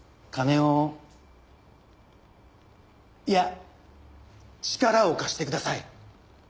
いや力を貸してください。